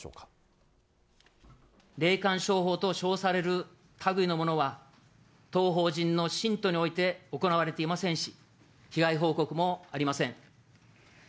霊感商法と称されるたぐいのものは、当法人の信徒において行われていませんし、被害報告もありません。